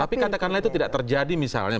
tapi katakanlah itu tidak terjadi misalnya